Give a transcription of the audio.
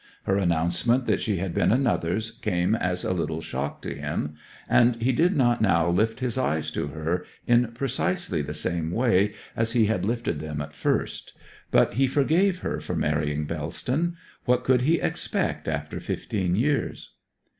Her announcement that she had been another's came as a little shock to him, and he did not now lift his eyes to her in precisely the same way as he had lifted them at first. But he forgave her for marrying Bellston; what could he expect after fifteen years?